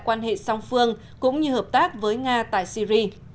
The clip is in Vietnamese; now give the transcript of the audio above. quan hệ song phương cũng như hợp tác với nga tại syri